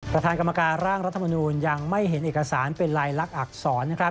ประธานกรรมการร่างรัฐมนูลยังไม่เห็นเอกสารเป็นลายลักษณอักษร